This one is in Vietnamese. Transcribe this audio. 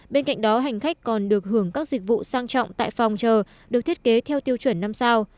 bên cạnh đó hành khách còn được hưởng các dịch vụ sang trọng tại phòng chờ được thiết kế theo tiêu chuẩn năm sao